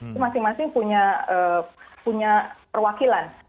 itu masing masing punya perwakilan